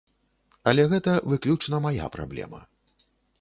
Але гэта выключна мая праблема.